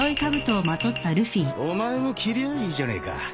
お前も着りゃあいいじゃねえか。